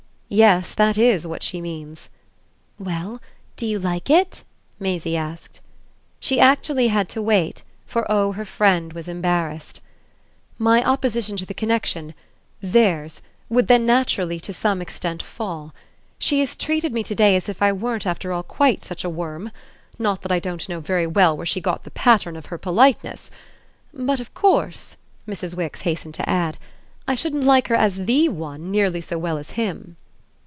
"Yes, that IS what she means." "Well, do you like it?" Maisie asked. She actually had to wait, for oh her friend was embarrassed! "My opposition to the connexion theirs would then naturally to some extent fall. She has treated me to day as if I weren't after all quite such a worm; not that I don't know very well where she got the pattern of her politeness. But of course," Mrs. Wix hastened to add, "I shouldn't like her as THE one nearly so well as him."